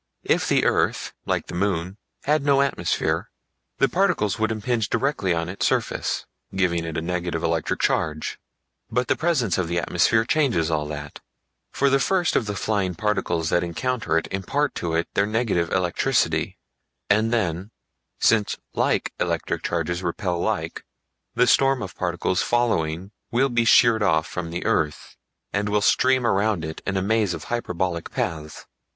If the earth, like the moon, had no atmosphere the particles would impinge directly on its surface, giving it a negative electric charge. But the presence of the atmosphere changes all that, for the first of the flying particles that encounter it impart to it their negative electricity, and then, since like electric charges repel like, the storm of particles following will be sheered off from the earth, and will stream around it in a maze of hyperbolic paths.